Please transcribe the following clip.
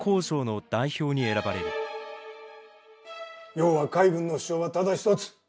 要は海軍の主張はただ一つ。